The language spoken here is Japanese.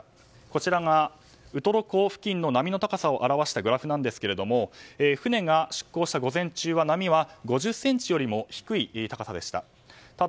こちら、ウトロ港付近の波の高さを表したグラフですが船が出港した午前中は波は５０ｃｍよりも低い高さでした。